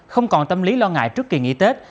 không còn tâm lý lo ngại trước kỳ nghỉ tết